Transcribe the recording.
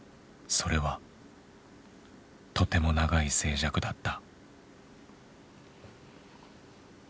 それはとても長い静寂だった。